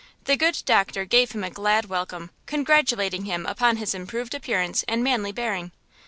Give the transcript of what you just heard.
The good doctor gave him a glad welcome, congratulating him upon his improved appearance and manly bearing.